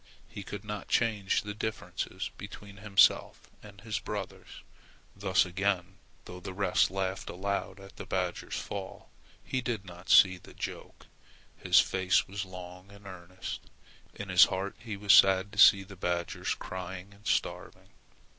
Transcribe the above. He could not change the differences between himself and his brothers. Thus again, though the rest laughed aloud at the badger's fall, he did not see the joke. His face was long and earnest. In his heart he was sad to see the badgers crying and starving.